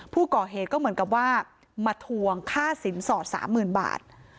ผู้เกาะเหตุก็เหมือนกับว่ามาทวงค่าสินสอดสามหมื่นบาท